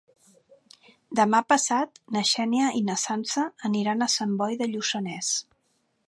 Demà passat na Xènia i na Sança aniran a Sant Boi de Lluçanès.